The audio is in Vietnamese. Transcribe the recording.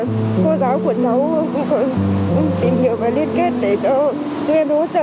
em rất là vui bởi vì cô giáo của cháu cũng tìm hiểu và liên kết để cho chúng em hỗ trợ